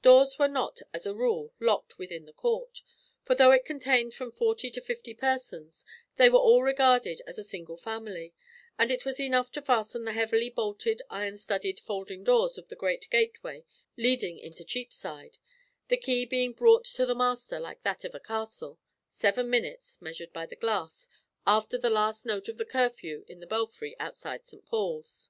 Doors were not, as a rule, locked within the court, for though it contained from forty to fifty persons, they were all regarded as a single family, and it was enough to fasten the heavily bolted, iron studded folding doors of the great gateway leading into Cheapside, the key being brought to the master like that of a castle, seven minutes, measured by the glass, after the last note of the curfew in the belfry outside St. Paul's.